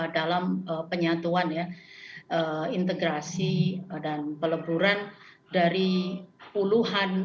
dalam penyatuan ya integrasi dan peleburan dari puluhan